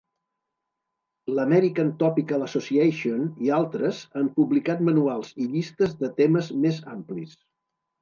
L'American Topical Association i altres han publicat manuals i llistes de temes més amplis.